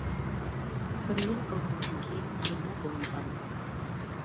بىر يىل قىلغاندىن كېيىن، يەنە بولمىغان.